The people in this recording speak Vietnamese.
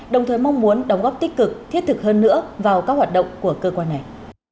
đồng thời mong muốn đóng góp tích cực thiết thực hơn nữa vào các hoạt động của cơ quan này